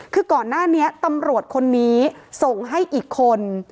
คือก่อนหน้านี้ตำรวจคนนี้ส่งให้อีกคน